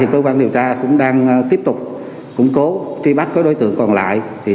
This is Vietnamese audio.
cơ quan điều tra cũng đang tiếp tục củng cố truy bắt các đối tượng còn lại